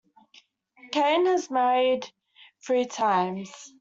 Cain has married three times.